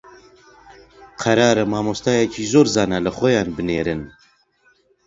قەرارە مامۆستایەکی زۆر زانا لە خۆیان بنێرن